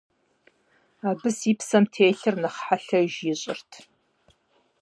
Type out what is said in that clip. Абы си псэм телъыр нэхъ хьэлъэж ищӀырт.